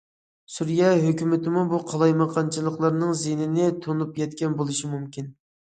سۈرىيە ھۆكۈمىتىمۇ بۇ قالايمىقانچىلىقلارنىڭ زىيىنىنى تونۇپ يەتكەن بولۇشى مۇمكىن.